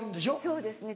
そうですね